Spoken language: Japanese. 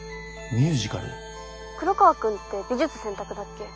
黒川くんって美術選択だっけ？